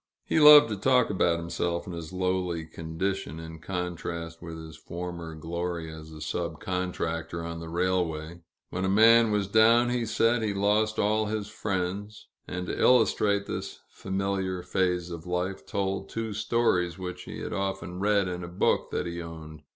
He loved to talk about himself and his lowly condition, in contrast with his former glory as a sub contractor on the railway. When a man was down, he said, he lost all his friends and, to illustrate this familiar phase of life, told two stories which he had often read in a book that he owned.